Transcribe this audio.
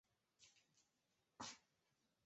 芬尼县是美国堪萨斯州西南部的一个县。